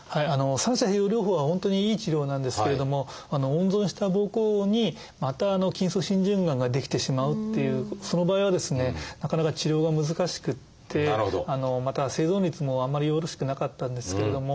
三者併用療法は本当にいい治療なんですけれども温存した膀胱にまた筋層浸潤がんが出来てしまうっていうその場合はですねなかなか治療が難しくってまた生存率もあんまりよろしくなかったんですけれども。